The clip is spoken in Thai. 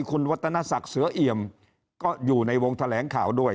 คุณวัฒนศักดิ์เสือเอี่ยมก็อยู่ในวงแถลงข่าวด้วย